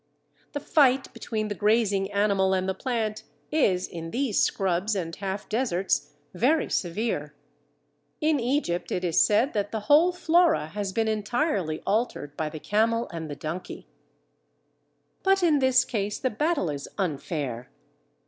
The fight between the grazing animal and the plant is, in these scrubs and half deserts, very severe. In Egypt it is said that the whole flora has been entirely altered by the camel and the donkey. Floyer. But in this case the battle is unfair.